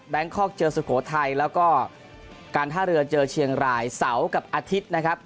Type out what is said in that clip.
คอกเจอสุโขทัยแล้วก็การท่าเรือเจอเชียงรายเสาร์กับอาทิตย์นะครับ